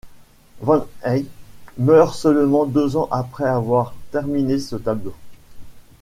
Van Eyck meurt seulement deux ans après avoir terminé ce tableau.